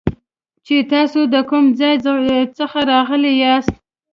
چې تاسو د کوم ځای څخه راغلي یاست